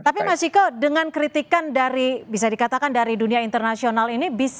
tapi mas ciko dengan kritikan dari bisa dikatakan dari dunia internasional ini